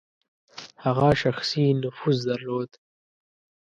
هغه شخصي نفوذ درلود.